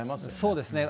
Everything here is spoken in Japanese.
そうですね。